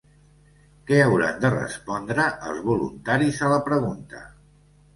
Què hauran de respondre els voluntaris a la pregunta?